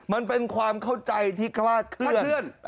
มันเป็นความเข้าใจที่คลาดเคลื่อน